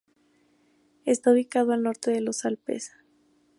Está ubicado al norte de los Alpes.